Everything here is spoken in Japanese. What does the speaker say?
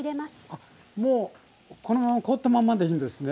もうこのまま凍ったまんまでいいんですね。